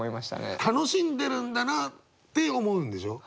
楽しんでるんだなって思うんでしょ。